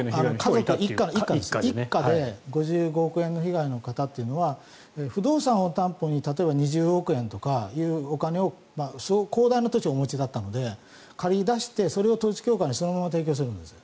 一家で５５億円の被害の方というのは不動産を担保に例えば２０億円とかというお金を広大な土地をお持ちだったので借りに出してそれを統一教会にそのまま提供するんです。